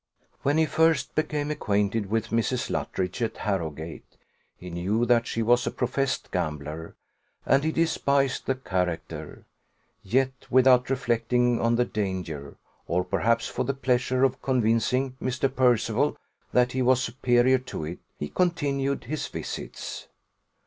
When he first became acquainted with Mrs. Luttridge at Harrowgate, he knew that she was a professed gambler, and he despised the character; yet without reflecting on the danger, or perhaps for the pleasure of convincing Mr. Percival that he was superior to it, he continued his visits.